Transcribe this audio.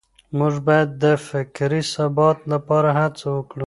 موږ بايد د فکري ثبات لپاره هڅه وکړو.